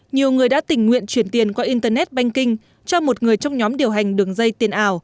nhiều người đã tình nguyện chuyển tiền qua internet banking cho một người trong nhóm điều hành đường dây tiền ảo